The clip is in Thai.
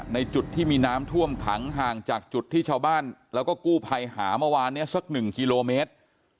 ในจุดที่มีน้ำท่วมขังห่างจากจุดที่ชาวบ้านแล้วก็กู้ภัยหาเมื่อวานนี้สัก๑กิโลเมตร